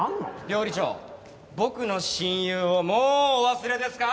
料理長僕の親友をもうお忘れですか？